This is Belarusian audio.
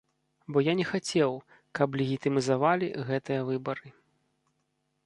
Бо я не хацеў, каб легітымізавалі гэтыя выбары.